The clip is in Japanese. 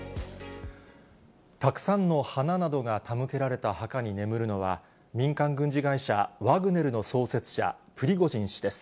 たくさんの花などが手向けられた墓に眠るのは、民間軍事会社ワグネルの創設者、プリゴジン氏です。